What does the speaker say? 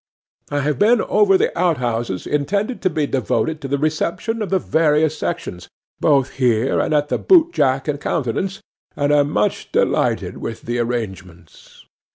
I have been over the outhouses intended to be devoted to the reception of the various sections, both here and at the Boot jack and Countenance, and am much delighted with the arrangements.